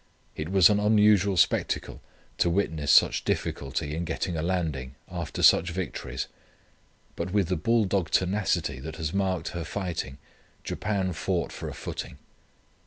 It was an unusual spectacle to witness such difficulty in getting a landing after such victories. But with the bulldog tenacity that has marked her fighting Japan fought for a footing.